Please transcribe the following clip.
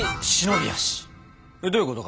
どういうこと？